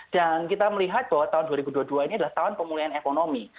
dan kita melihat bahwa tahun dua ribu dua puluh dua ini adalah tahun pemulihan ekonomi